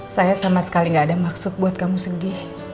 saya sama sekali gak ada maksud buat kamu sedih